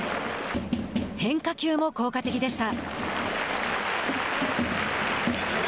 変化球も効果的でした。